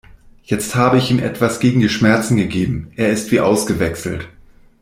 Jetzt habe ich ihm etwas gegen die Schmerzen gegeben, er ist wie ausgewechselt.